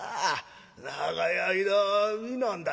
長い間見なんだ。